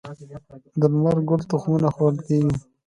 د لمر ګل تخمونه خوړل کیږي